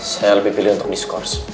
saya lebih pilih untuk diskors